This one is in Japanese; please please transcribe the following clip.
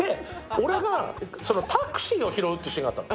俺がタクシーを止めるっていうシーンがあったの。